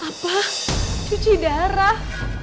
apa cuci darah